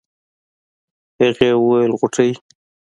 هغې وويل غوټۍ.